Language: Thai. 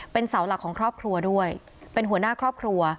เป็นเสาหลักของครอบครัวด้วยเป็นหัวหน้าครอบครัว